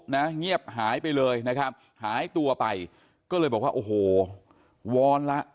เงียบหายไปเลยนะครับหายตัวไปก็เลยบอกว่าโอ้โหวอนละ